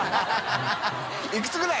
いくつぐらい？